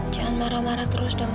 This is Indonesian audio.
jangan marah marah terus dong